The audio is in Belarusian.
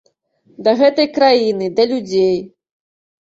Да гэтай краіны, да людзей.